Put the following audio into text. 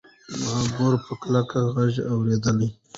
ما ګور په کلک غږ واورېد.